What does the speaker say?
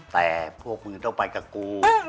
แต่พวกมึงต้องไปกับกู